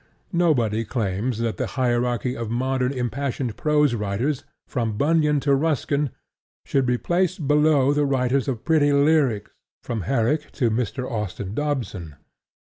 Nobody claims that the hierarchy of modern impassioned prose writers, from Bunyan to Ruskin, should be placed below the writers of pretty lyrics, from Herrick to Mr. Austin Dobson.